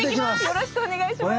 よろしくお願いします。